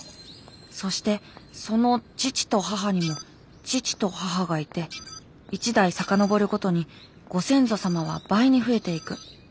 そしてその父と母にも父と母がいて１代遡るごとにご先祖様は倍に増えていく。